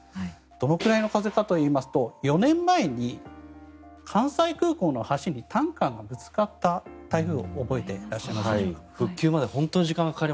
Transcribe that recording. どのぐらいの風かといいますと４年前に関西空港の橋にタンカーがぶつかった台風を覚えていらっしゃいますでしょうか。